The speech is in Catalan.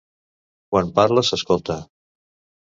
Quan parla s'escolta.